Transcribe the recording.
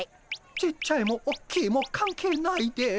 ちっちゃいもおっきいも関係ないです。